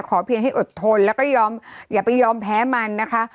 เพียงให้อดทนแล้วก็ยอมอย่าไปยอมแพ้มันนะคะ